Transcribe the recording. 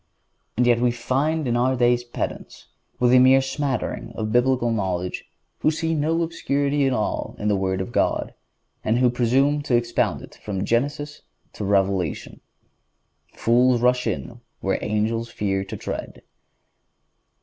And yet we find in our days pedants, with a mere smattering of Biblical knowledge, who see no obscurity at all in the Word of God, and who presume to expound it from Genesis to Revelation. "Fools rush in where angels fear to tread."